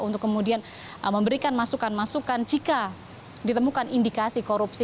untuk kemudian memberikan masukan masukan jika ditemukan indikasi korupsi